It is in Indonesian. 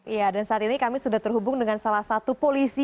ya dan saat ini kami sudah terhubung dengan salah satu polisi